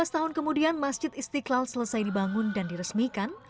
lima belas tahun kemudian masjid istiqlal selesai dibangun dan diresmikan